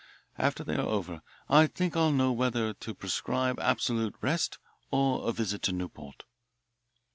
After they are over I think I'll know whether to prescribe absolute rest or a visit to Newport."